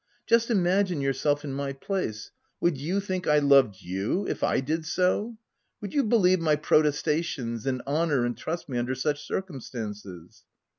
Just imagine yourself in my place : would you think I loved you, if / did so ? Would you believe my pro testations, and honour and trust me under such circumstances